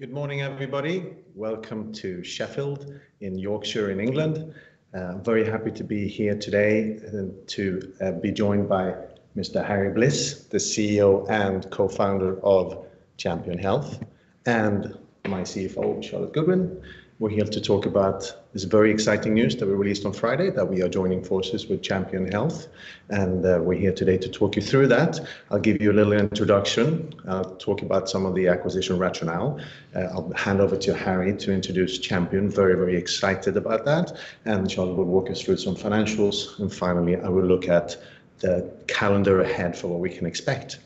Good morning everybody. Welcome to Sheffield in Yorkshire in England. Very happy to be here today and to be joined by Mr. Harry Bliss, the CEO and Co-founder of Champion Health, and my CFO, Charlotte Goodwin. We're here to talk about this very exciting news that we released on Friday, that we are joining forces with Champion Health. We're here today to talk you through that. I'll give you a little introduction, talk about some of the acquisition rationale. I'll hand over to Harry to introduce Champion. Very, very excited about that. Charlotte will walk us through some financials. Finally, I will look at the calendar ahead for what we can expect.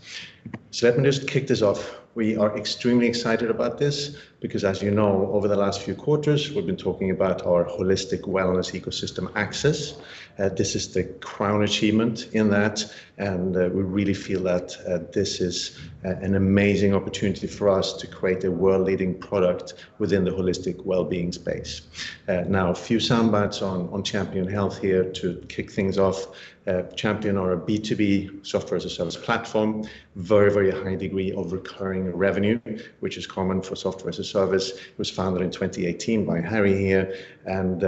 Let me just kick this off. We are extremely excited about this because as you know, over the last few quarters, we've been talking about our holistic wellness ecosystem, Access. This is the crown achievement in that, and we really feel that this is an amazing opportunity for us to create a world-leading product within the holistic well-being space. Now a few sound bites on Champion Health here to kick things off. Champion are a B2B software-as-a-service platform. Very, very high degree of recurring revenue, which is common for software-as-a-service. It was founded in 2018 by Harry here and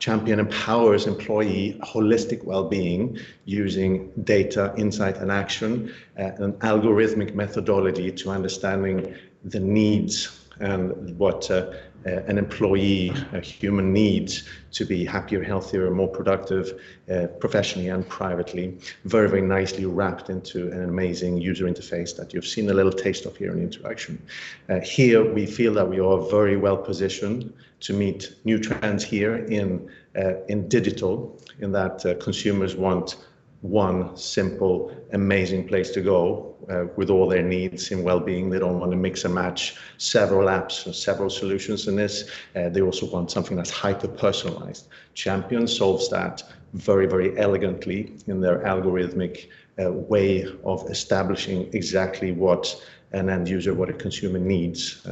Champion empowers employee holistic well-being using data, insight, and action, an algorithmic methodology to understanding the needs and what an employee, a human needs to be happier, healthier, and more productive, professionally and privately. Very, very nicely wrapped into an amazing user interface that you've seen a little taste of here in the introduction. Here we feel that we are very well-positioned to meet new trends here in digital, in that consumers want one simple, amazing place to go with all their needs in well-being. They don't want to mix and match several apps or several solutions in this. They also want something that's hyper-personalized. Champion solves that very, very elegantly in their algorithmic way of establishing exactly what an end user, what a consumer needs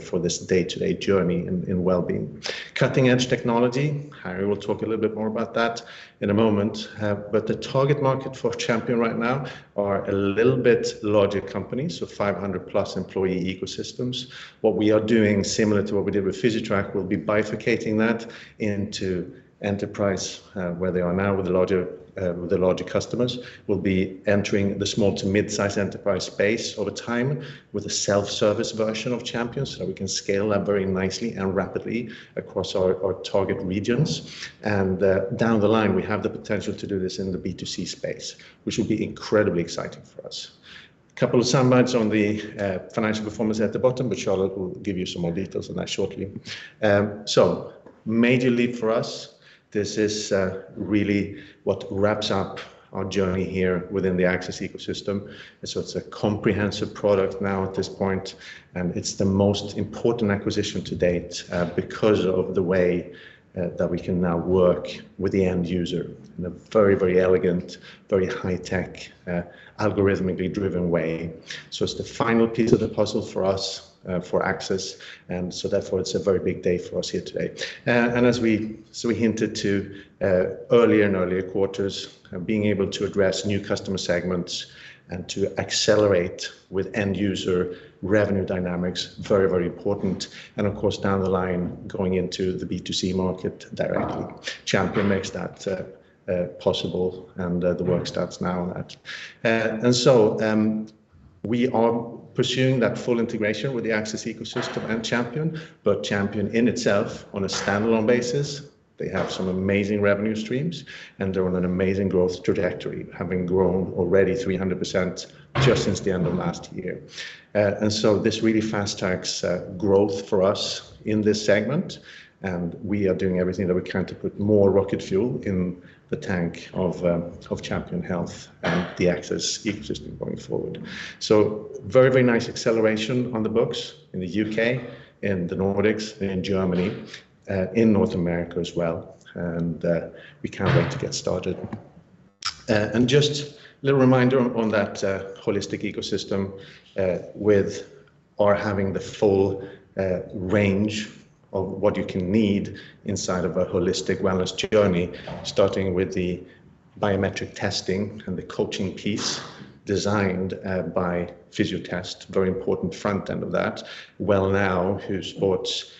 for this day-to-day journey in well-being. Cutting-edge technology. Harry will talk a little bit more about that in a moment. The target market for Champion right now are a little bit larger companies, so 500+ employee ecosystems. What we are doing, similar to what we did with Physitrack, we'll be bifurcating that into enterprise, where they are now with the larger customers. We'll be entering the small to mid-size enterprise space over time with a self-service version of Champion, so we can scale that very nicely and rapidly across our target regions. Down the line, we have the potential to do this in the B2C space, which will be incredibly exciting for us. Couple of sound bites on the financial performance at the bottom, but Charlotte will give you some more details on that shortly. Major leap for us. This is really what wraps up our journey here within the Access ecosystem. It's a comprehensive product now at this point, and it's the most important acquisition to date, because of the way that we can now work with the end user in a very, very elegant, very high-tech, algorithmically driven way. It's the final piece of the puzzle for us for Access, and so therefore it's a very big day for us here today. We hinted at earlier quarters being able to address new customer segments and to accelerate with end user revenue dynamics, very, very important. Of course, down the line, going into the B2C market directly. Champion makes that possible and the work starts now on that. We are pursuing that full integration with the Access ecosystem and Champion Health, but Champion Health in itself on a standalone basis, they have some amazing revenue streams and they're on an amazing growth trajectory, having grown already 300% just since the end of last year. This really fast tracks growth for us in this segment, and we are doing everything that we can to put more rocket fuel in the tank of Champion Health and the Access ecosystem going forward. Very, very nice acceleration on the books in the UK, in the Nordics, in Germany, in North America as well, and we can't wait to get started. Just a little reminder on that holistic ecosystem, with our having the full range of what you can need inside of a holistic wellness journey, starting with the biometric testing and the coaching piece designed by Fysiotest, very important front end of that. Wellnow, who boasts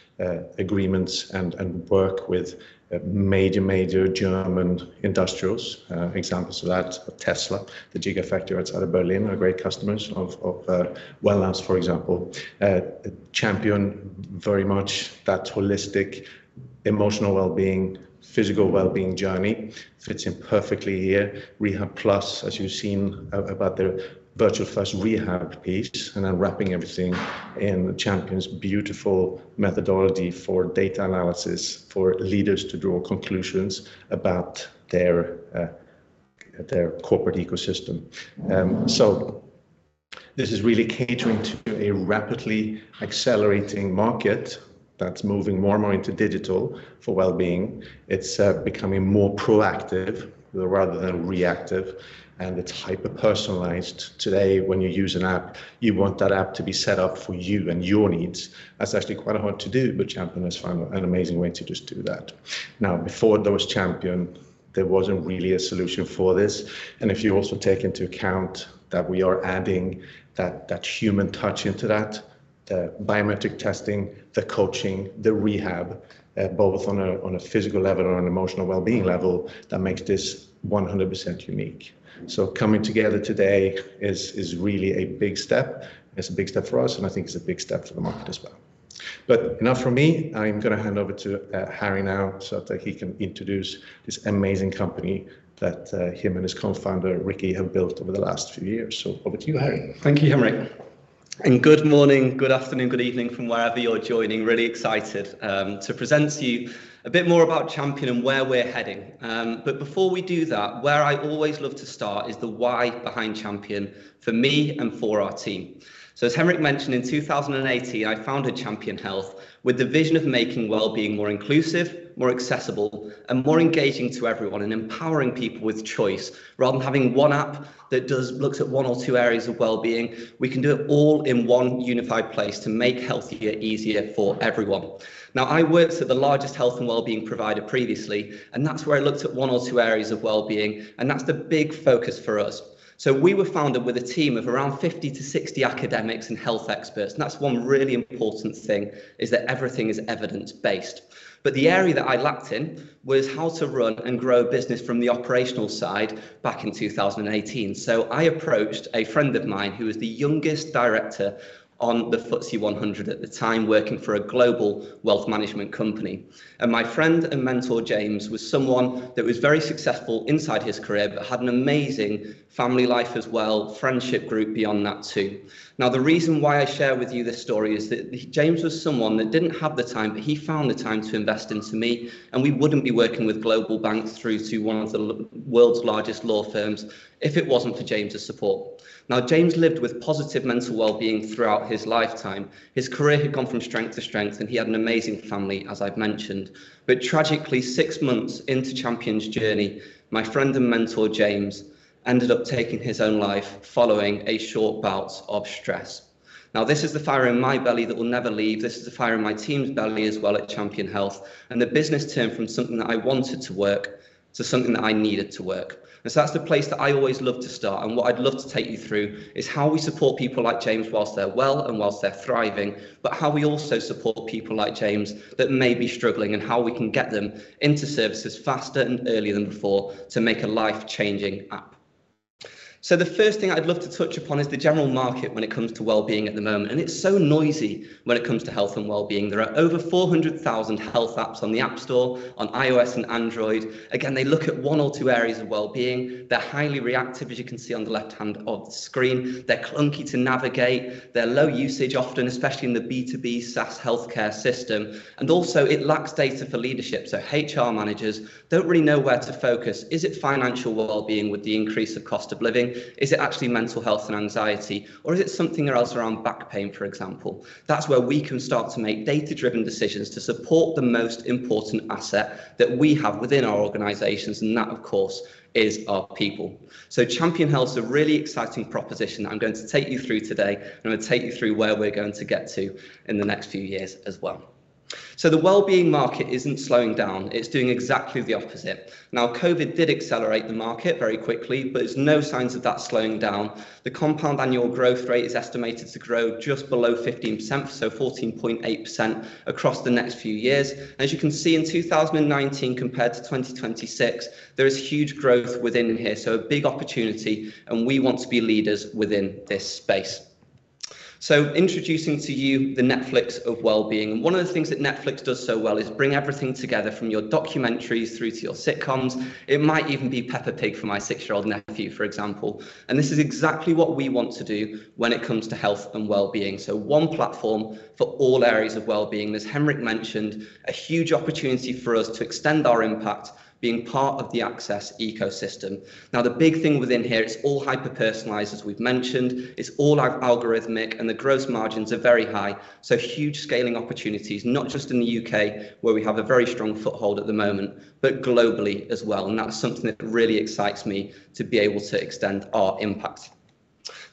agreements and works with major German industrials. Examples of that, Tesla, the Gigafactory outside of Berlin are great customers of Wellnow for example. Champion, very much that holistic emotional well-being, physical well-being journey fits in perfectly here. Rehabplus, as you've seen about their virtual first rehab piece, and then wrapping everything in Champion's beautiful methodology for data analysis for leaders to draw conclusions about their corporate ecosystem. This is really catering to a rapidly accelerating market that's moving more and more into digital for wellbeing. It's becoming more proactive rather than reactive, and it's hyper-personalized. Today, when you use an app, you want that app to be set up for you and your needs. That's actually quite hard to do, but Champion has found an amazing way to just do that. Now, before there was Champion, there wasn't really a solution for this. If you also take into account that we are adding that human touch into that, the biometric testing, the coaching, the rehab both on a physical level and an emotional wellbeing level, that makes this 100% unique. Coming together today is really a big step. It's a big step for us, and I think it's a big step for the market as well. Enough from me. I'm gonna hand over to Harry now so that he can introduce this amazing company that him and his co-founder, Ricky, have built over the last few years. Over to you, Harry. Thank you, Henrik. Good morning, good afternoon, good evening from wherever you're joining. Really excited to present to you a bit more about Champion and where we're heading. Before we do that, where I always love to start is the why behind Champion for me and for our team. As Henrik mentioned, in 2018, I founded Champion Health with the vision of making wellbeing more inclusive, more accessible, and more engaging to everyone, and empowering people with choice. Rather than having one app that looks at one or two areas of wellbeing, we can do it all in one unified place to make health easier for everyone. Now, I worked at the largest health and wellbeing provider previously, and that's where I looked at one or two areas of wellbeing, and that's the big focus for us. We were founded with a team of around 50-60 academics and health experts, and that's one really important thing, is that everything is evidence-based. The area that I lacked in was how to run and grow a business from the operational side back in 2018. I approached a friend of mine who was the youngest director on the FTSE 100 at the time, working for a global wealth management company. My friend and mentor, James, was someone that was very successful inside his career but had an amazing family life as well, friendship group beyond that too. Now, the reason why I share with you this story is that James was someone that didn't have the time, but he found the time to invest into me, and we wouldn't be working with global banks through to one of the world's largest law firms if it wasn't for James' support. Now, James lived with positive mental wellbeing throughout his lifetime. His career had gone from strength to strength, and he had an amazing family, as I've mentioned. Tragically, six months into Champion's journey, my friend and mentor, James, ended up taking his own life following a short bout of stress. Now, this is the fire in my belly that will never leave. This is the fire in my team's belly as well at Champion Health, and the business turned from something that I wanted to work to something that I needed to work. That's the place that I always love to start, and what I'd love to take you through is how we support people like James while they're well and while they're thriving, but how we also support people like James that may be struggling, and how we can get them into services faster and earlier than before to make a life-changing impact. The first thing I'd love to touch upon is the general market when it comes to wellbeing at the moment, and it's so noisy when it comes to health and wellbeing. There are over 400,000 health apps on the App Store, on iOS and Android. Again, they look at one or two areas of wellbeing. They're highly reactive, as you can see on the left-hand of the screen. They're clunky to navigate. They're low usage often, especially in the B2B SaaS healthcare system. Also, it lacks data for leadership. HR managers don't really know where to focus. Is it financial wellbeing with the increase of cost of living? Is it actually mental health and anxiety? Or is it something else around back pain, for example? That's where we can start to make data-driven decisions to support the most important asset that we have within our organizations, and that, of course, is our people. Champion Health's a really exciting proposition that I'm going to take you through today. I'm gonna take you through where we're going to get to in the next few years as well. The wellbeing market isn't slowing down. It's doing exactly the opposite. Now, COVID did accelerate the market very quickly, but there's no signs of that slowing down. The compound annual growth rate is estimated to grow just below 15%, so 14.8% across the next few years. As you can see, in 2019 compared to 2026, there is huge growth within here, so a big opportunity, and we want to be leaders within this space. Introducing to you the Netflix of wellbeing. One of the things that Netflix does so well is bring everything together from your documentaries through to your sitcoms. It might even be Peppa Pig for my six-year-old nephew, for example. This is exactly what we want to do when it comes to health and wellbeing. One platform for all areas of wellbeing. As Henrik mentioned, a huge opportunity for us to extend our impact being part of the Access ecosystem. Now, the big thing within here, it's all hyper-personalized, as we've mentioned. It's all algorithmic, and the gross margins are very high. Huge scaling opportunities, not just in the UK, where we have a very strong foothold at the moment, but globally as well, and that's something that really excites me to be able to extend our impact.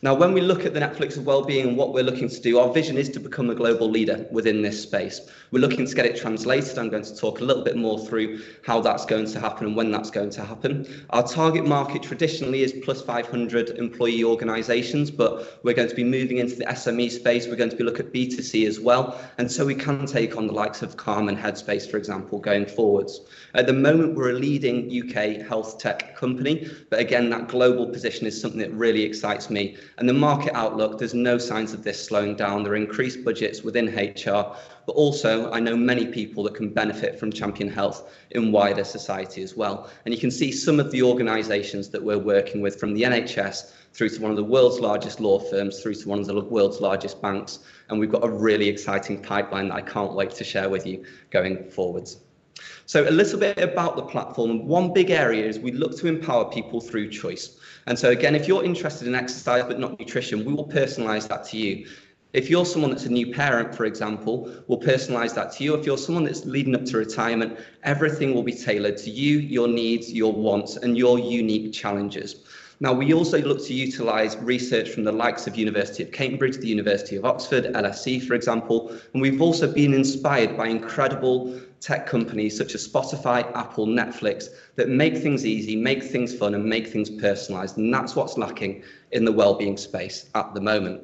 Now, when we look at the Netflix of well-being and what we're looking to do, our vision is to become a global leader within this space. We're looking to get it translated. I'm going to talk a little bit more through how that's going to happen and when that's going to happen. Our target market traditionally is plus 500 employee organizations, but we're going to be moving into the SME space. We're going to be look at B2C as well, and so we can take on the likes of Calm and Headspace, for example, going forwards. At the moment, we're a leading UK health tech company, but again, that global position is something that really excites me. The market outlook, there's no signs of this slowing down. There are increased budgets within HR, but also, I know many people that can benefit from Champion Health in wider society as well. You can see some of the organizations that we're working with from the NHS through to one of the world's largest law firms through to one of the world's largest banks, and we've got a really exciting pipeline that I can't wait to share with you going forwards. A little bit about the platform. One big area is we look to empower people through choice. Again, if you're interested in exercise but not nutrition, we will personalize that to you. If you're someone that's a new parent, for example, we'll personalize that to you. If you're someone that's leading up to retirement, everything will be tailored to you, your needs, your wants, and your unique challenges. Now, we also look to utilize research from the likes of University of Cambridge, the University of Oxford, LSE, for example. We've also been inspired by incredible tech companies such as Spotify, Apple, Netflix, that make things easy, make things fun, and make things personalized. That's what's lacking in the well-being space at the moment.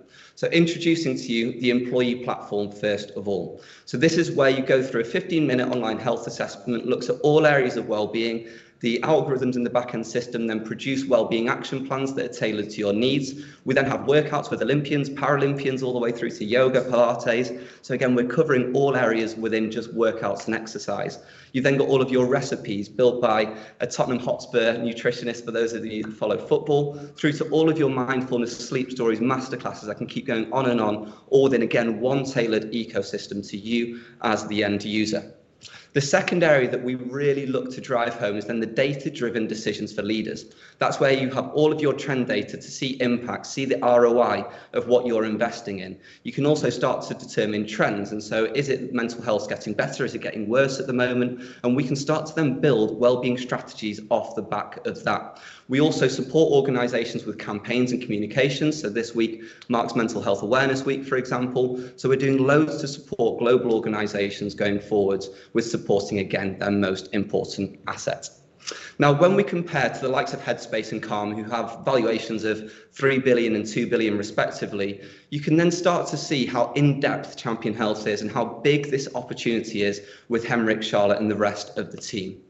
Introducing to you the employee platform first of all. This is where you go through a 15-minute online health assessment. Looks at all areas of well-being. The algorithms in the back-end system then produce well-being action plans that are tailored to your needs. We then have workouts with Olympians, Paralympians, all the way through to yoga, Pilates. Again, we're covering all areas within just workouts and exercise. You've then got all of your recipes built by a Tottenham Hotspur nutritionist, for those of you that follow football, through to all of your mindfulness, sleep stories, master classes. I can keep going on and on. All then again, one tailored ecosystem to you as the end user. The second area that we really look to drive home is then the data-driven decisions for leaders. That's where you have all of your trend data to see impact, see the ROI of what you're investing in. You can also start to determine trends, and so is it mental health getting better? Is it getting worse at the moment? We can start to then build well-being strategies off the back of that. We also support organizations with campaigns and communications. This week marks Mental Health Awareness Week, for example. We're doing loads to support global organizations going forwards with supporting, again, their most important asset. Now, when we compare to the likes of Headspace and Calm, who have valuations of 3 billion and 2 billion respectively, you can then start to see how in-depth Champion Health is and how big this opportunity is with Henrik, Charlotte, and the rest of the team.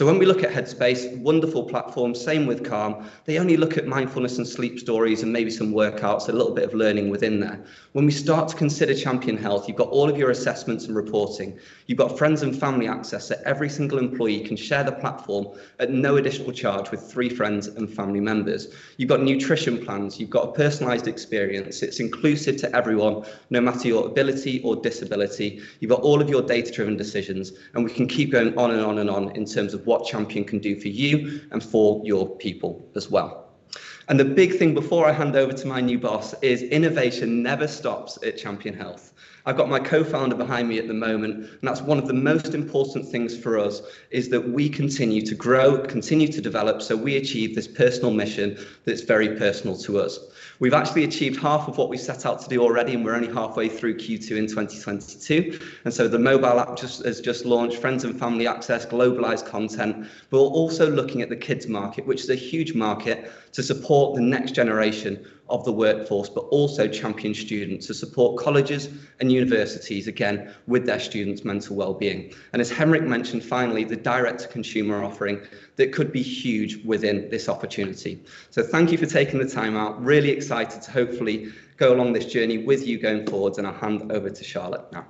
When we look at Headspace, wonderful platform, same with Calm, they only look at mindfulness and sleep stories and maybe some workouts, a little bit of learning within there. When we start to consider Champion Health, you've got all of your assessments and reporting. You've got friends and family access, so every single employee can share the platform at no additional charge with three friends and family members. You've got nutrition plans. You've got a personalized experience. It's inclusive to everyone, no matter your ability or disability. You've got all of your data-driven decisions, and we can keep going on and on and on in terms of what Champion can do for you and for your people as well. The big thing before I hand over to my new boss is innovation never stops at Champion Health. I've got my co-founder behind me at the moment, and that's one of the most important things for us, is that we continue to grow, continue to develop, so we achieve this personal mission that's very personal to us. We've actually achieved half of what we set out to do already, and we're only halfway through Q2 in 2022. The mobile app has just launched, friends and family access, globalized content. We're also looking at the kids market, which is a huge market to support the next generation of the workforce, but also Champion students to support colleges and universities, again, with their students' mental well-being. As Henrik mentioned, finally, the direct-to-consumer offering that could be huge within this opportunity. Thank you for taking the time out. Really excited to hopefully go along this journey with you going forwards, and I'll hand over to Charlotte now.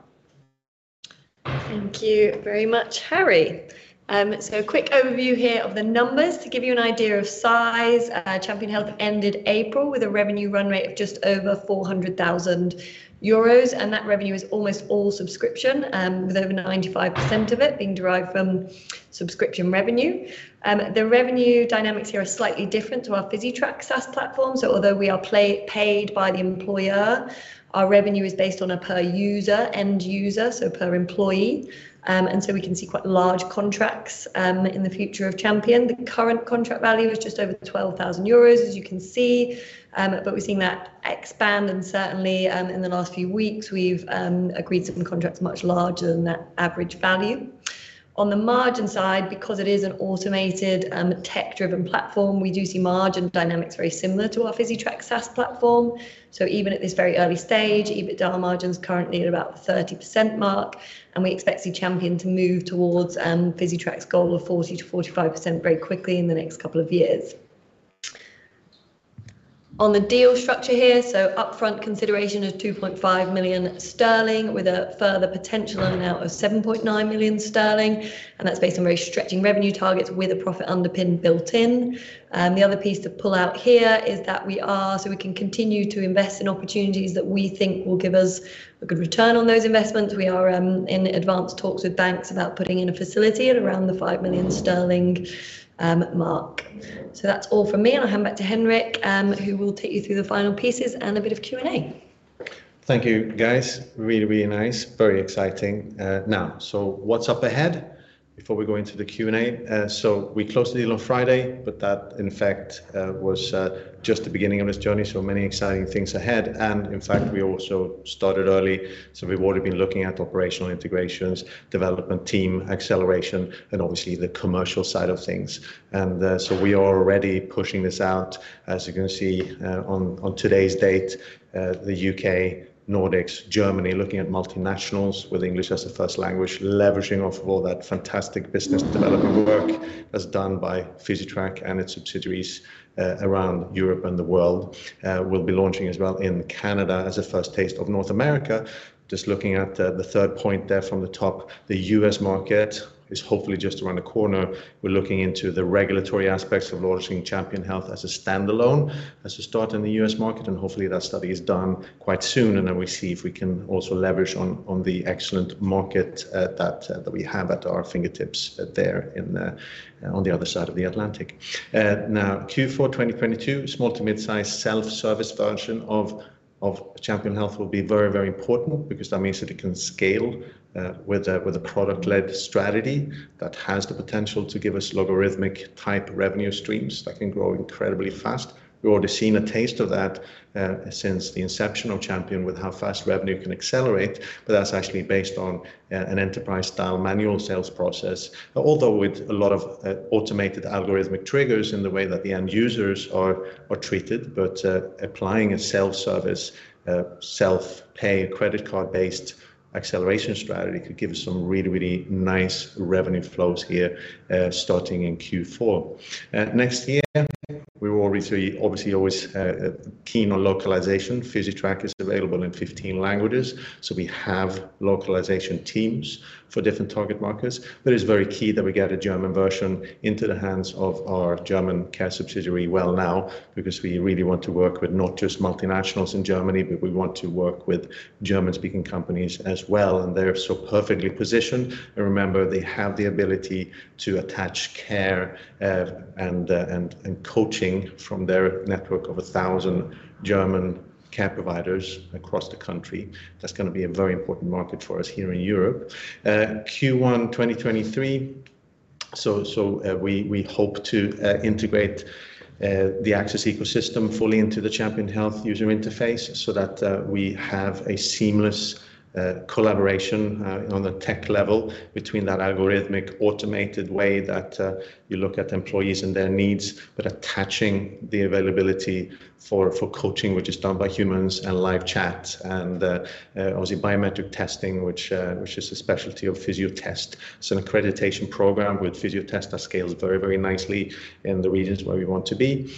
Thank you very much, Harry. A quick overview here of the numbers to give you an idea of size. Champion Health ended April with a revenue run rate of just over 400,000 euros, and that revenue is almost all subscription, with over 95% of it being derived from subscription revenue. The revenue dynamics here are slightly different to our Physitrack SaaS platform. Although we are paid by the employer, our revenue is based on a per user, end user, so per employee. We can see quite large contracts, in the future of Champion. The current contract value is just over 12,000 euros, as you can see. We're seeing that expand and certainly, in the last few weeks we've agreed certain contracts much larger than that average value. On the margin side, because it is an automated, tech-driven platform, we do see margin dynamics very similar to our Physitrack SaaS platform. Even at this very early stage, EBITDA margin's currently at about the 30% mark, and we expect to see Champion to move towards Physitrack's goal of 40-45% very quickly in the next couple of years. On the deal structure here, upfront consideration of 2.5 million sterling with a further potential amount of 7.9 million sterling, and that's based on very stretching revenue targets with a profit underpin built in. The other piece to pull out here is that we can continue to invest in opportunities that we think will give us a good return on those investments. We are in advanced talks with banks about putting in a facility at around the 5 million sterling mark. That's all from me, and I'll hand back to Henrik, who will take you through the final pieces and a bit of Q&A. Thank you guys. Really, really nice. Very exciting. Now, what's up ahead? Before we go into the Q&A. We closed the deal on Friday, but that in fact was just the beginning of this journey, so many exciting things ahead. In fact, we also started early, so we've already been looking at operational integrations, development team acceleration, and obviously the commercial side of things. We are already pushing this out, as you're gonna see, on today's date. The UK, Nordics, Germany, looking at multinationals with English as a first language, leveraging off of all that fantastic business development work as done by Physitrack and its subsidiaries, around Europe and the world. We'll be launching as well in Canada as a first taste of North America. Just looking at the third point there from the top, the U.S. market is hopefully just around the corner. We're looking into the regulatory aspects of launching Champion Health as a standalone start in the U.S. market, and hopefully that study is done quite soon, and then we see if we can also leverage on the excellent market that we have at our fingertips there on the other side of the Atlantic. Now, Q4 2022, small to mid-size self-service version of Champion Health will be very important because that means that it can scale with a product-led strategy that has the potential to give us logarithmic type revenue streams that can grow incredibly fast. We've already seen a taste of that, since the inception of Champion with how fast revenue can accelerate, but that's actually based on an enterprise-style manual sales process. Although with a lot of automated algorithmic triggers in the way that the end users are treated. Applying a self-service, self-pay credit card-based acceleration strategy could give us some really nice revenue flows here, starting in Q4. Next year, we are already obviously always keen on localization. Physitrack is available in 15 languages, so we have localization teams for different target markets. It's very key that we get a German version into the hands of our German care subsidiary Wellnow, because we really want to work with not just multinationals in Germany, but we want to work with German-speaking companies as well, and they're so perfectly positioned. Remember, they have the ability to attach care and coaching from their network of 1,000 German care providers across the country. That's gonna be a very important market for us here in Europe. Q1 2023, so we hope to integrate the Access ecosystem fully into the Champion Health user interface so that we have a seamless collaboration on the tech level between that algorithmic automated way that you look at employees and their needs, but attaching the availability for coaching, which is done by humans and live chat and obviously biometric testing, which is a specialty of Fysiotest. It's an accreditation program with Fysiotest that scales very nicely in the regions where we want to be.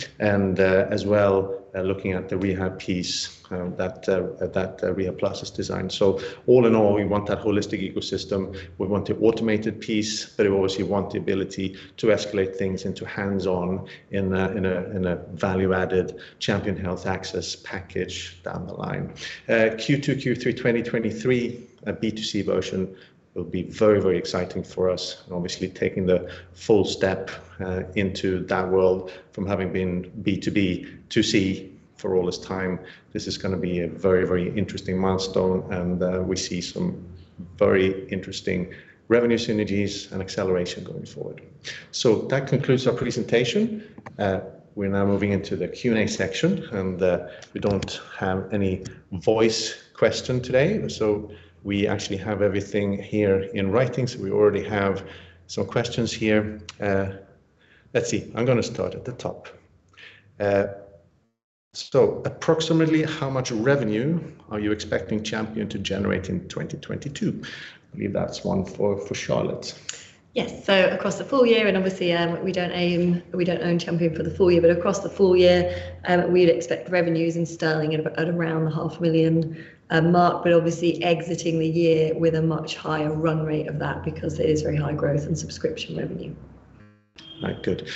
Looking at the rehab piece, that Rehabplus has designed. All in all, we want that holistic ecosystem. We want the automated piece, but we obviously want the ability to escalate things into hands-on in a value-added Champion Health Access package down the line. Q2, Q3 2023, a B2C version will be very, very exciting for us and obviously taking the full step into that world from having been B2B to C for all this time. This is gonna be a very, very interesting milestone, and we see some very interesting revenue synergies and acceleration going forward. That concludes our presentation. We're now moving into the Q&A section, and we don't have any voice question today, so we actually have everything here in writing. We already have some questions here. Let's see. I'm gonna start at the top. Approximately how much revenue are you expecting Champion to generate in 2022? I believe that's one for Charlotte. Yes. Across the full year, and obviously, we don't own Champion for the full year, but across the full year, we'd expect revenues in GBP at around the half million mark, but obviously exiting the year with a much higher run rate of that because it is very high growth and subscription revenue. Right. Good.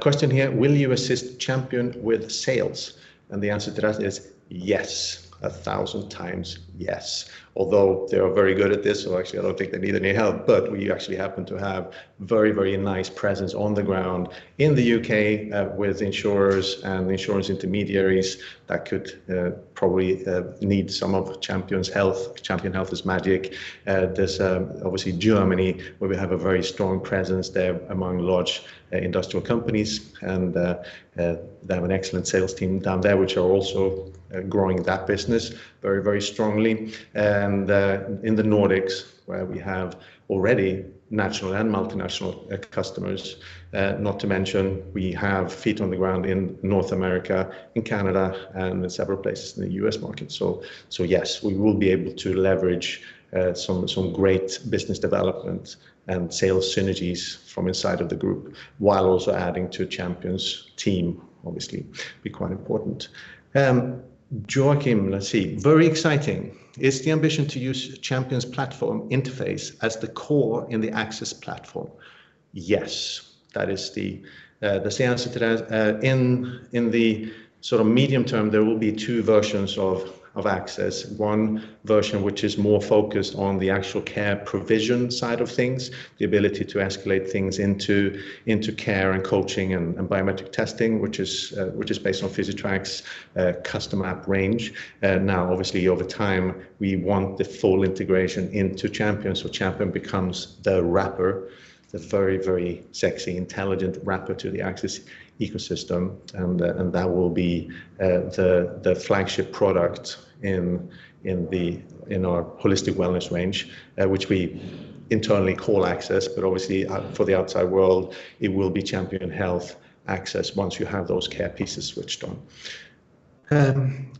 Question here, will you assist Champion with sales? The answer to that is yes. A thousand times, yes. Although they are very good at this, so actually I don't think they need any help, but we actually happen to have very, very nice presence on the ground in the U.K., with insurers and insurance intermediaries that could, probably, need some of Champion Health. Champion Health is magic. There's obviously Germany, where we have a very strong presence there among large, industrial companies and, they have an excellent sales team down there, which are also, growing that business very, very strongly. In the Nordics, where we have already national and multinational, customers, not to mention we have feet on the ground in North America, in Canada, and in several places in the U.S. market. Yes, we will be able to leverage some great business development and sales synergies from inside of the group, while also adding to Champion's team, obviously be quite important. Joachim, let's see. Very exciting. Is the ambition to use Champion's platform interface as the core in the Access platform? Yes. That is the same answer to that. In the sort of medium term, there will be two versions of Access. One version, which is more focused on the actual care provision side of things, the ability to escalate things into care and coaching and biometric testing, which is based on Physitrack's custom app range. Now obviously over time, we want the full integration into Champion, so Champion becomes the wrapper, the very sexy, intelligent wrapper to the Access ecosystem. That will be the flagship product in our holistic wellness range, which we internally call Access, but obviously for the outside world, it will be Champion Health Access once you have those care pieces switched on.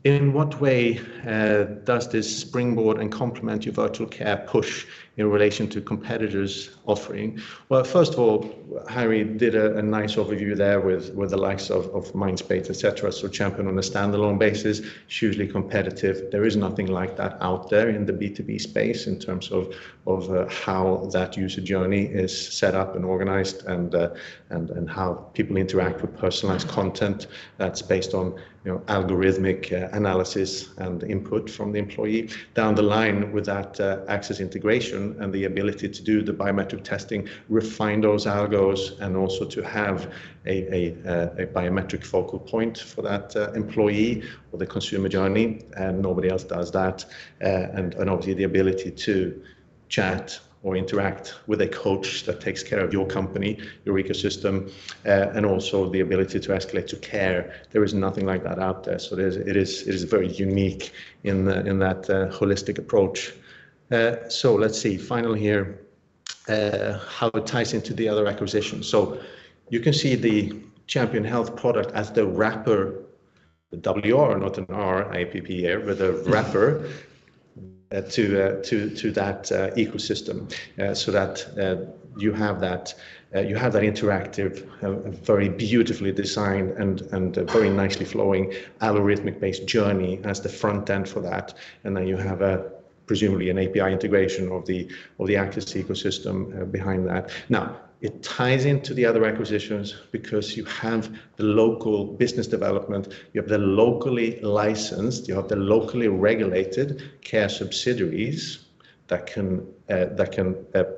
In what way does this springboard and complement your virtual care push in relation to competitors' offering? Well, first of all, Harry did a nice overview there with the likes of Headspace, etc. So Champion on a standalone basis is hugely competitive. There is nothing like that out there in the B2B space in terms of how that user journey is set up and organized and how people interact with personalized content that's based on, you know, algorithmic analysis and input from the employee. Down the line with that, Access integration and the ability to do the biometric testing, refine those algos, and also to have a biometric focal point for that employee or the consumer journey, and nobody else does that. Obviously the ability to chat or interact with a coach that takes care of your company, your ecosystem, and also the ability to escalate to care. There is nothing like that out there. It is very unique in that holistic approach. Let's see. Finally here, how it ties into the other acquisitions. You can see the Champion Health product as the wrapper, but a wrapper to that ecosystem. That you have that interactive, very beautifully designed and very nicely flowing algorithmic-based journey as the front end for that. You have presumably an API integration of the Access ecosystem behind that. Now, it ties into the other acquisitions because you have the local business development, you have the locally licensed, you have the locally regulated care subsidiaries that can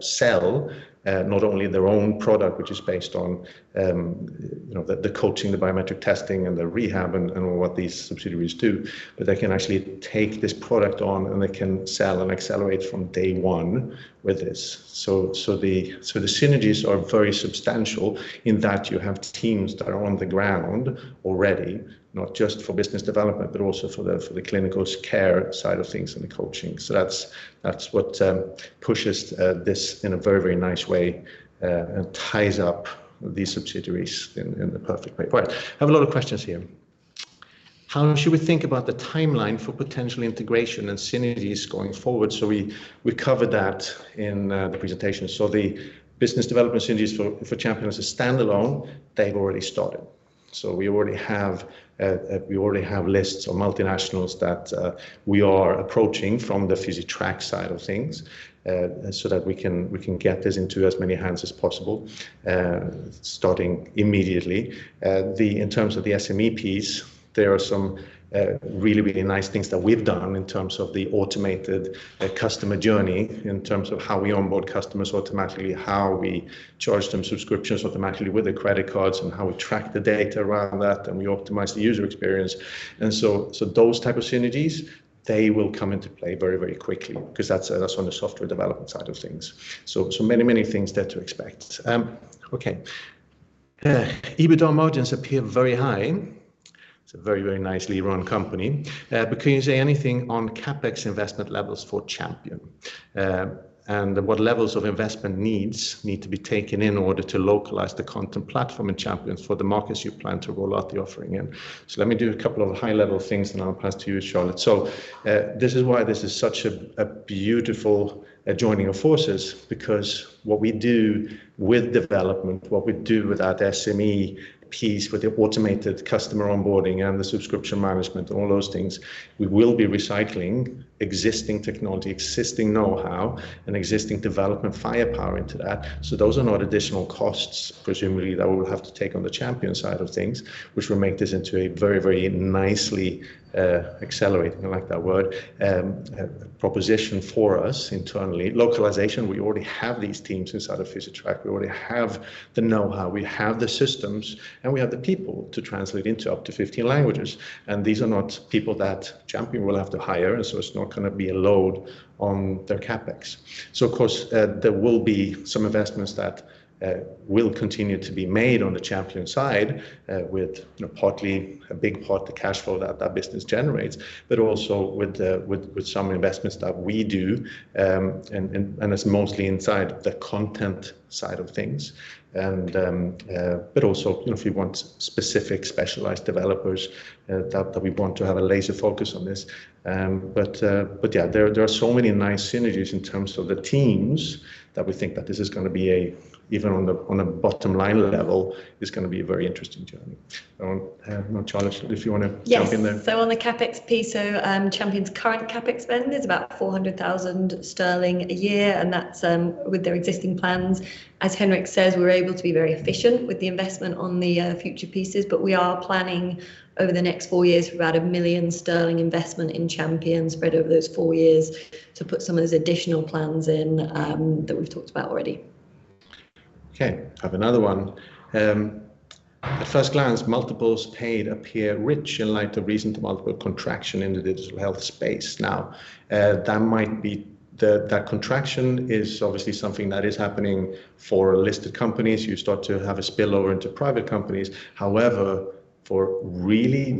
sell not only their own product, which is based on, you know, the coaching, the biometric testing, and the rehab and what these subsidiaries do, but they can actually take this product on, and they can sell and accelerate from day one with this. The synergies are very substantial in that you have teams that are on the ground already, not just for business development, but also for the clinical care side of things and the coaching. That's what pushes this in a very nice way and ties up these subsidiaries in the perfect way. Right. I have a lot of questions here. How should we think about the timeline for potential integration and synergies going forward? We covered that in the presentation. The business development synergies for Champion as a standalone, they've already started. We already have lists of multinationals that we are approaching from the Physitrack side of things, so that we can get this into as many hands as possible, starting immediately. In terms of the SME piece, there are some really nice things that we've done in terms of the automated customer journey, in terms of how we onboard customers automatically, how we charge them subscriptions automatically with their credit cards, and how we track the data around that, and we optimize the user experience. Those type of synergies, they will come into play very quickly because that's on the software development side of things. Many things there to expect. EBITDA margins appear very high. It's a very nicely run company. Can you say anything on CapEx investment levels for Champion? What levels of investment need to be taken in order to localize the content platform in Champion for the markets you plan to roll out the offering in? Let me do a couple of high-level things, and I'll pass to you, Charlotte. This is why this is such a beautiful joining of forces because what we do with development, what we do with that SME piece, with the automated customer onboarding and the subscription management, all those things, we will be recycling existing technology, existing know-how, and existing development firepower into that. Those are not additional costs presumably that we'll have to take on the Champion side of things, which will make this into a very, very nicely accelerating, I like that word, proposition for us internally. Localization, we already have these teams inside of Physitrack. We already have the know-how, we have the systems, and we have the people to translate into up to 15 languages, and these are not people that Champion will have to hire, so it's not gonna be a load on their CapEx. Of course, there will be some investments that will continue to be made on the Champion side, with you know partly a big part of the cash flow that that business generates, but also with some investments that we do. It's mostly inside the content side of things. But also, you know, if you want specific specialized developers, that we want to have a laser focus on this. Yeah, there are so many nice synergies in terms of the teams that we think that this is gonna be even on a bottom-line level a very interesting journey. You know, Charlotte, if you wanna jump in there. Yes. On the CapEx piece, Champion's current CapEx spend is about 400,000 sterling a year, and that's with their existing plans. As Henrik says, we're able to be very efficient with the investment on the future pieces, but we are planning over the next four years for about 1 million sterling investment in Champion spread over those four years to put some of those additional plans in, that we've talked about already. Okay. I have another one. At first glance, multiples paid appear rich in light of recent multiple contraction in the digital health space. Now, that contraction is obviously something that is happening for listed companies. You start to have a spillover into private companies. However, for really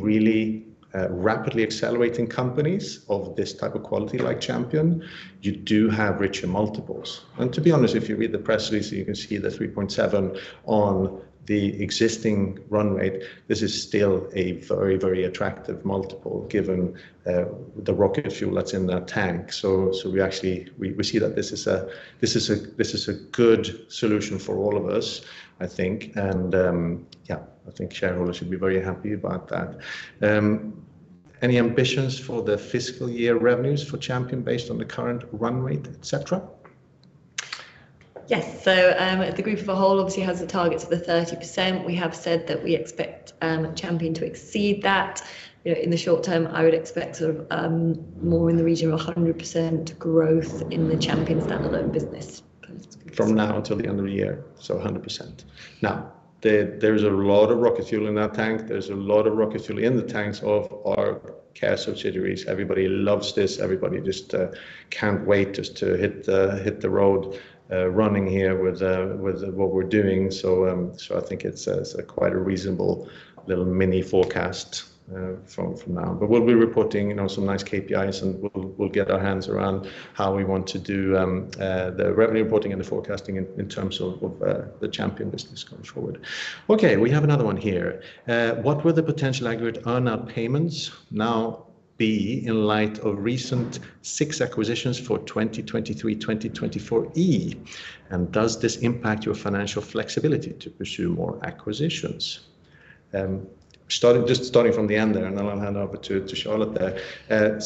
rapidly accelerating companies of this type of quality like Champion, you do have richer multiples. To be honest, if you read the press release, you can see the 3.7 on the existing run rate. This is still a very attractive multiple given the rocket fuel that's in that tank. We see that this is a good solution for all of us, I think. Yeah, I think shareholders should be very happy about that. Any ambitions for the fiscal year revenues for Champion based on the current run rate, et cetera? The group as a whole obviously has the target for 30%. We have said that we expect Champion to exceed that. You know, in the short term, I would expect sort of more in the region of 100% growth in the Champion standalone business. From now until the end of the year, so 100%. Now, there's a lot of rocket fuel in that tank. There's a lot of rocket fuel in the tanks of our care subsidiaries. Everybody loves this. Everybody just can't wait to hit the road running here with what we're doing. I think it's quite a reasonable little mini forecast from now. But we'll be reporting, you know, some nice KPIs, and we'll get our hands around how we want to do the revenue reporting and the forecasting in terms of the Champion business going forward. Okay, we have another one here. What will the potential aggregate earn-out payments now be in light of recent six acquisitions for 2023/2024? Does this impact your financial flexibility to pursue more acquisitions? Starting just from the end there, and then I'll hand over to Charlotte there.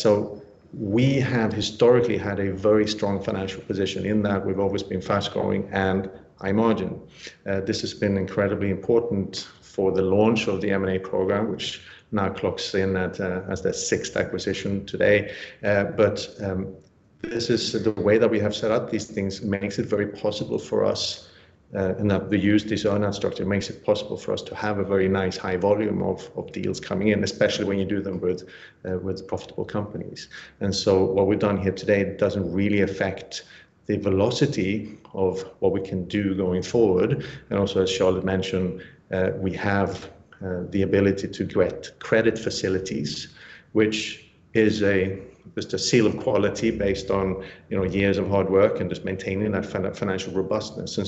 We have historically had a very strong financial position in that we've always been fast-growing and high margin. This has been incredibly important for the launch of the M&A program, which now clocks in at as the sixth acquisition today. But this is the way that we have set up these things makes it very possible for us, and that we use this earn out structure makes it possible for us to have a very nice high volume of deals coming in, especially when you do them with profitable companies. What we've done here today doesn't really affect the velocity of what we can do going forward. As Charlotte mentioned, we have the ability to get credit facilities, which is just a seal of quality based on, you know, years of hard work and just maintaining that financial robustness.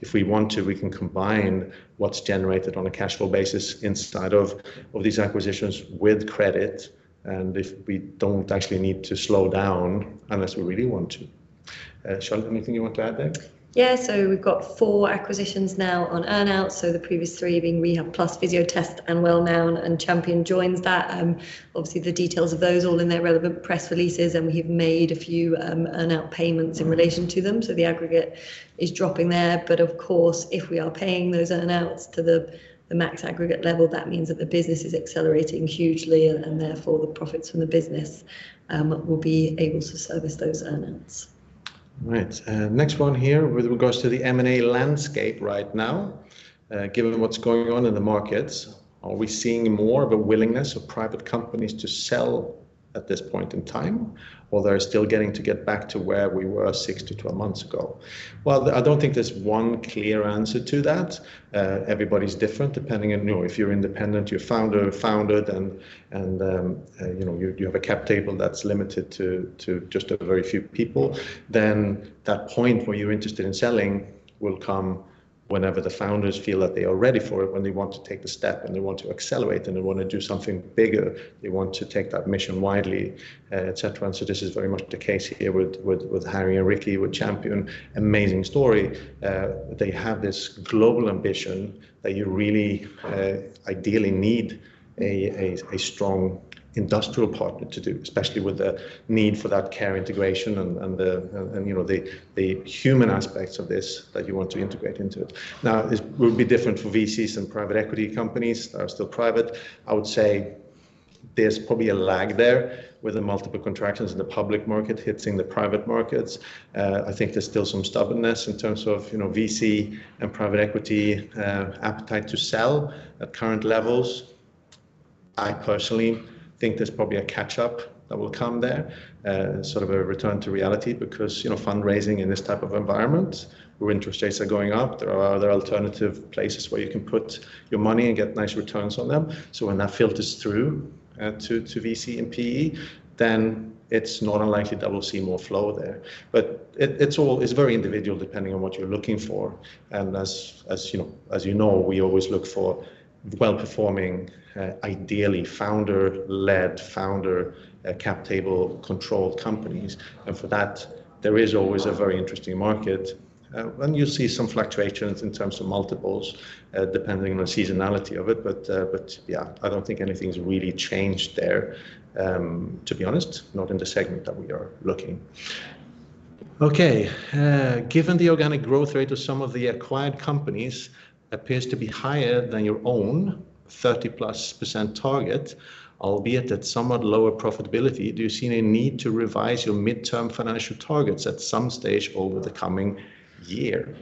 If we want to, we can combine what's generated on a cash flow basis inside of these acquisitions with credit. If we don't actually need to slow down unless we really want to. Charlotte, anything you want to add there? Yeah. We've got four acquisitions now on earn out. The previous three being Rehabplus, Fysiotest, and Wellnow, and Champion Health joins that. Obviously the details of those all in their relevant press releases, and we have made a few earn out payments in relation to them, so the aggregate is dropping there. Of course, if we are paying those earn outs to the max aggregate level, that means that the business is accelerating hugely and therefore the profits from the business will be able to service those earn outs. Right. Next one here. With regards to the M&A landscape right now, given what's going on in the markets, are we seeing more of a willingness of private companies to sell at this point in time, or they're still getting back to where we were six-12 months ago? Well, I don't think there's one clear answer to that. Everybody's different depending on, you know, if you're independent, you're founder-founded, and you know, you have a cap table that's limited to just a very few people. Then that point where you're interested in selling will come whenever the founders feel that they are ready for it, when they want to take the step, and they want to accelerate, and they wanna do something bigger. They want to take that mission widely, et cetera. This is very much the case here with Harry and Ricky, with Champion. Amazing story. They have this global ambition that you really ideally need a strong industrial partner to do, especially with the need for that care integration and you know the human aspects of this that you want to integrate into it. Now, this will be different for VCs and private equity companies that are still private. I would say there's probably a lag there with the multiple contractions in the public market hitting the private markets. I think there's still some stubbornness in terms of you know VC and private equity appetite to sell at current levels. I personally think there's probably a catch-up that will come there, sort of a return to reality because, you know, fundraising in this type of environment where interest rates are going up, there are other alternative places where you can put your money and get nice returns on them. So when that filters through to VC and PE, then it's not unlikely that we'll see more flow there. But it's all very individual depending on what you're looking for. And as you know, we always look for well-performing, ideally founder-led, cap table controlled companies. And for that, there is always a very interesting market. And you see some fluctuations in terms of multiples, depending on seasonality of it. Yeah, I don't think anything's really changed there, to be honest, not in the segment that we are looking. Okay. Given the organic growth rate of some of the acquired companies appears to be higher than your own 30%+ target, albeit at somewhat lower profitability, do you see any need to revise your midterm financial targets at some stage over the coming year?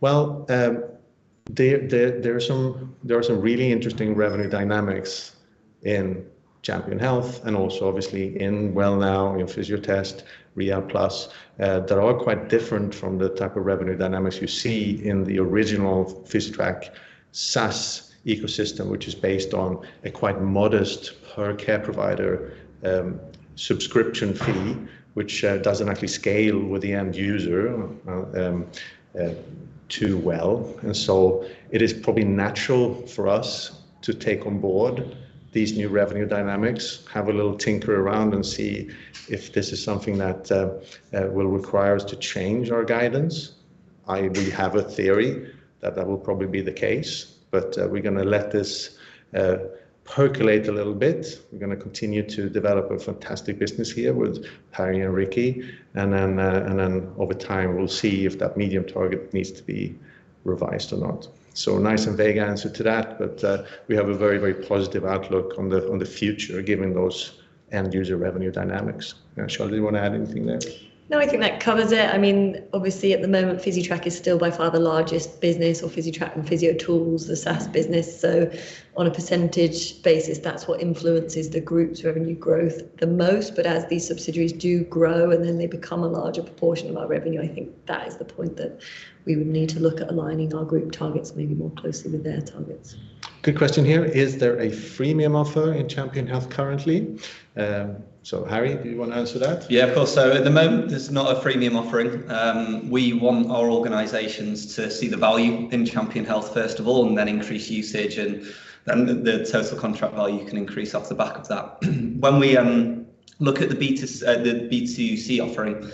Well, there are some really interesting revenue dynamics in Champion Health and also obviously in Wellnow, in Fysiotest, Rehabplus, that are quite different from the type of revenue dynamics you see in the original Physitrack SaaS ecosystem, which is based on a quite modest per care provider subscription fee, which doesn't actually scale with the end user too well. It is probably natural for us to take on board these new revenue dynamics, have a little tinker around and see if this is something that will require us to change our guidance. We have a theory that that will probably be the case, but we're gonna let this percolate a little bit. We're gonna continue to develop a fantastic business here with Harry and Ricky, and then over time, we'll see if that medium target needs to be revised or not. Nice and vague answer to that, but we have a very, very positive outlook on the future given those end user revenue dynamics. Yeah, Charlotte, do you wanna add anything there? No, I think that covers it. I mean, obviously at the moment, Physitrack is still by far the largest business or Physitrack and Physiotools, the SaaS business. On a percentage basis, that's what influences the group's revenue growth the most. As these subsidiaries do grow and then they become a larger proportion of our revenue, I think that is the point that we would need to look at aligning our group targets maybe more closely with their targets. Good question here. Is there a freemium offer in Champion Health currently? Harry, do you wanna answer that? Yeah, of course. At the moment, there's not a freemium offering. We want our organizations to see the value in Champion Health, first of all, and then increase usage, and then the total contract value can increase off the back of that. When we look at the B2C offering,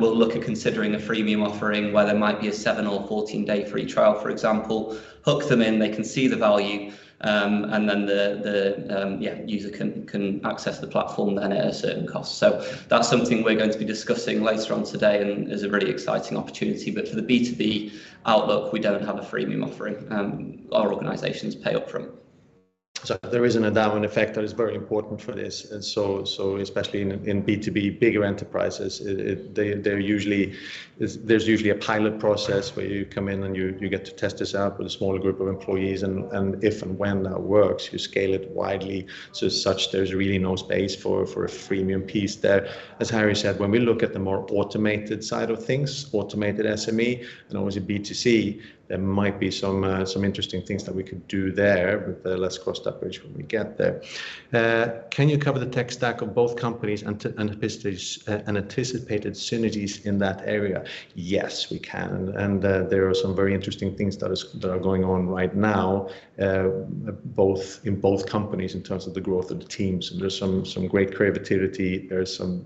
we'll look at considering a freemium offering where there might be a seven or 14-day free trial, for example. Hook them in, they can see the value, and then the user can access the platform then at a certain cost. That's something we're going to be discussing later on today and is a really exciting opportunity. For the B2B outlook, we don't have a freemium offering. Our organizations pay up front. There is an adoption effect that is very important for this. Especially in B2B, bigger enterprises, they're usually a pilot process where you come in and you get to test this out with a smaller group of employees and if and when that works, you scale it widely. As such, there's really no space for a freemium piece there. As Harry said, when we look at the more automated side of things, automated SME, and obviously B2C, there might be some interesting things that we could do there with less cross-sell pressure when we get there. Can you cover the tech stack of both companies and anticipated synergies in that area? Yes, we can. There are some very interesting things that are going on right now, both in both companies in terms of the growth of the teams. There's some great creativity. There's some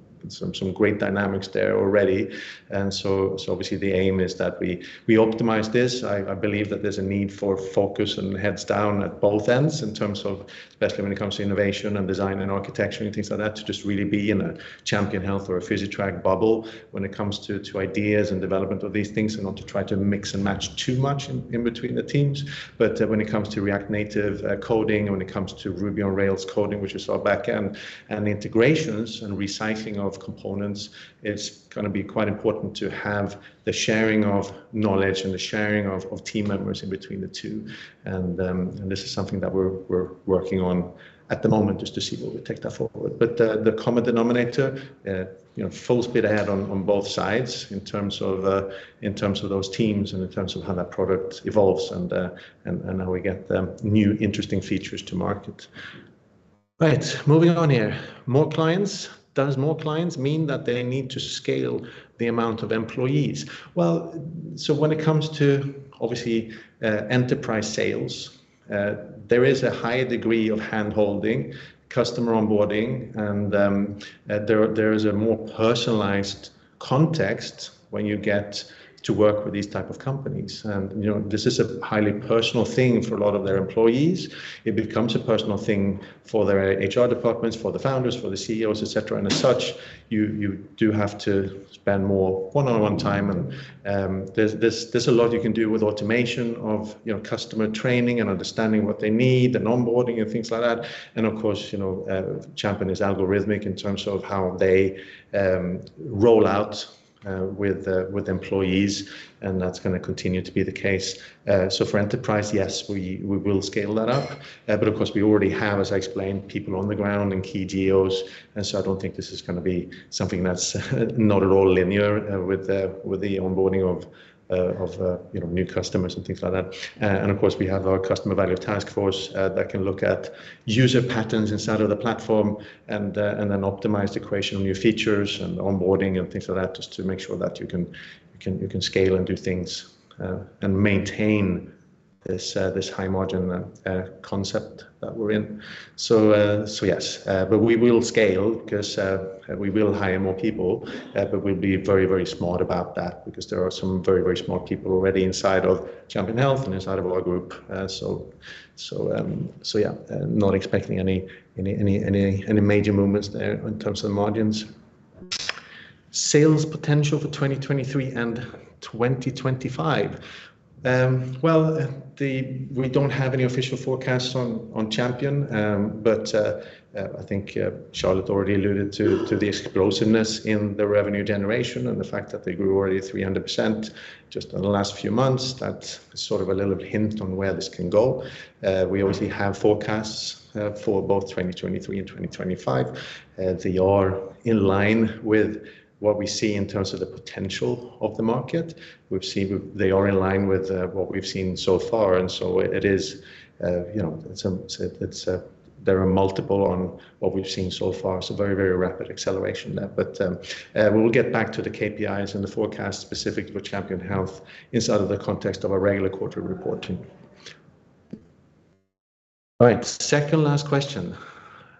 great dynamics there already. Obviously the aim is that we optimize this. I believe that there's a need for focus and heads down at both ends in terms of, especially when it comes to innovation and design and architecture and things like that, to just really be in a Champion Health or a Physitrack bubble when it comes to ideas and development of these things and not to try to mix and match too much in between the teams. When it comes to React Native coding and when it comes to Ruby on Rails coding, which is our back-end, and integrations and recycling of components, it's gonna be quite important to have the sharing of knowledge and the sharing of team members in between the two. This is something that we're working on at the moment just to see where we take that forward. The common denominator, you know, full speed ahead on both sides in terms of those teams and in terms of how that product evolves and how we get them new interesting features to market. Right. Moving on here. More clients. Does more clients mean that they need to scale the amount of employees? Well, when it comes to obviously enterprise sales, there is a higher degree of hand-holding, customer onboarding, and there is a more personalized context when you get to work with these type of companies. You know, this is a highly personal thing for a lot of their employees. It becomes a personal thing for their HR departments, for the founders, for the CEOs, et cetera. As such, you do have to spend more one-on-one time. There's a lot you can do with automation of, you know, customer training and understanding what they need and onboarding and things like that. Of course, you know, Champion is algorithmic in terms of how they roll out with employees, and that's gonna continue to be the case. For enterprise, yes, we will scale that up. Of course, we already have, as I explained, people on the ground in key geos. I don't think this is gonna be something that's not at all linear with the onboarding of you know, new customers and things like that. Of course, we have our customer value task force that can look at user patterns inside of the platform and then optimize the creation of new features and onboarding and things like that, just to make sure that you can scale and do things and maintain this high margin concept that we're in. Yes, we will scale 'cause we will hire more people, but we'll be very, very smart about that because there are some very, very smart people already inside of Champion Health and inside of our group. Yeah, not expecting any major movements there in terms of the margins. Sales potential for 2023 and 2025. Well, we don't have any official forecasts on Champion. I think Charlotte already alluded to the explosiveness in the revenue generation and the fact that they grew already 300% just in the last few months. That's sort of a little hint on where this can go. We obviously have forecasts for both 2023 and 2025. They are in line with what we see in terms of the potential of the market. They are in line with what we've seen so far. It is, you know, some say it's there are multiples on what we've seen so far. Very rapid acceleration there. We will get back to the KPIs and the forecast specific for Champion Health inside of the context of our regular quarterly reporting. All right, second last question.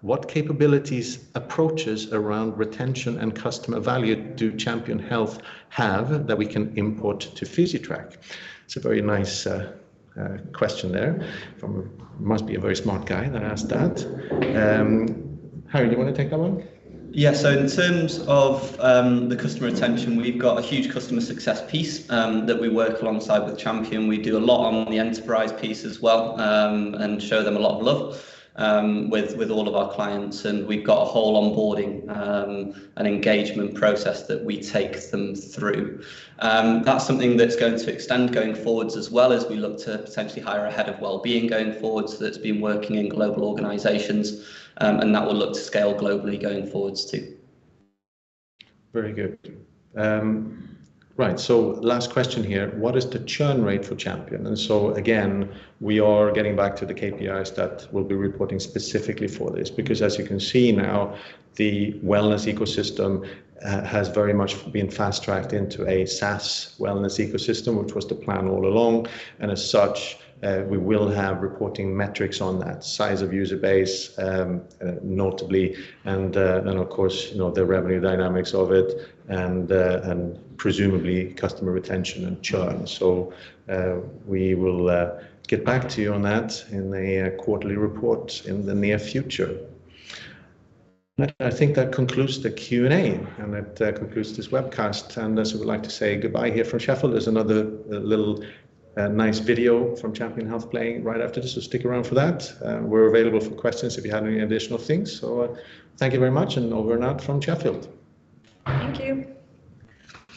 What capabilities, approaches around retention and customer value do Champion Health have that we can import to Physitrack? It's a very nice question there. Must be a very smart guy that asked that. Harry, do you wanna take that one? Yeah. In terms of the customer retention, we've got a huge customer success piece that we work alongside with Champion. We do a lot on the enterprise piece as well and show them a lot of love with all of our clients. We've got a whole onboarding and engagement process that we take them through. That's something that's going to extend going forwards as well as we look to potentially hire a head of wellbeing going forward. That's been working in global organizations and that will look to scale globally going forwards too. Very good. Right. Last question here. What is the churn rate for Champion? Again, we are getting back to the KPIs that we'll be reporting specifically for this because as you can see now, the wellness ecosystem has very much been fast-tracked into a SaaS wellness ecosystem, which was the plan all along. As such, we will have reporting metrics on that size of user base, notably, and then of course, you know, the revenue dynamics of it and presumably customer retention and churn. We will get back to you on that in a quarterly report in the near future. I think that concludes the Q&A, and that concludes this webcast. We would like to say goodbye here from Sheffield. There's another little nice video from Champion Health playing right after this, so stick around for that. We're available for questions if you have any additional things. Thank you very much, and over and out from Sheffield. Thank you.